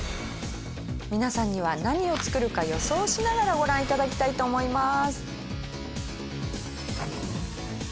皆さんには何を作るか予想しながらご覧いただきたいと思います。